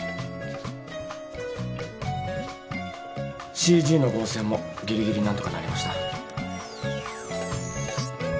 ＣＧの合成もぎりぎり何とかなりました。